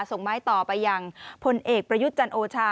ส่งไม้ต่อไปยังพลเอกประยุทธ์จันโอชา